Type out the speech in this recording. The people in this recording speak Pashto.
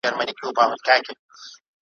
پړانګ چي هر څه منډي وکړې لاندي باندي ,